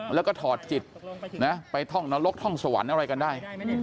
แล้วก็ถอดจิตไปท่องนรกท่องสวรรค์อะไรกันได้